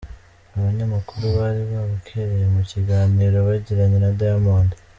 Abanyamakuru bari babukereye mu kiganiro bagiranye na Diamond.